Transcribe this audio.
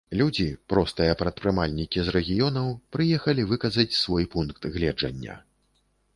Людзі, простыя прадпрымальнікі, з рэгіёнаў, прыехалі выказаць свой пункт гледжання.